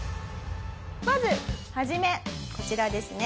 まず初めこちらですね。